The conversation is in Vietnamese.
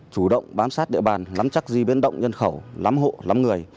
chủ động bám sát địa bàn lắm chắc di biến động nhân khẩu lắm hộ lắm người